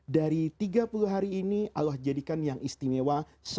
dari tiga puluh hari ini allah jadikan yang istimewa